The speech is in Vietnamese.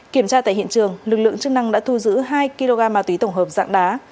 kiểm tra tại hiện trường lực lượng chức năng đã thu giữ hai kg ma túy tổng hợp dạng đá